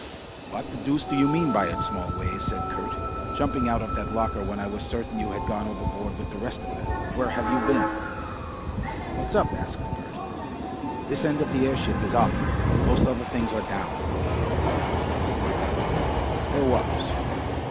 "What the deuce do you mean by it, Smallways?" said Kurt, "jumping out of that locker when I was certain you had gone overboard with the rest of them? Where have you been?" "What's up?" asked Bert. "This end of the airship is up. Most other things are down." "Was there a battle?" "There was."